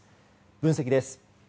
分析です。